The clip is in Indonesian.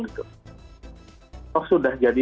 itu sudah jadi